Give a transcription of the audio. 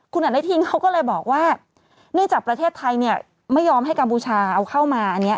คุณอนุทินเขาก็เลยบอกว่าเนื่องจากประเทศไทยเนี่ยไม่ยอมให้กัมพูชาเอาเข้ามาอันนี้